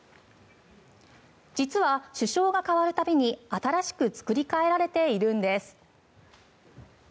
実は、首相が代わる度に新しく作り替えられているんです。